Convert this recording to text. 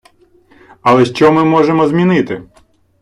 Але що ми можемо змінити?